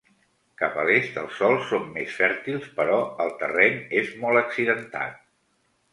Cap a l'est, els sòls són més fèrtils, però el terreny és molt accidentat.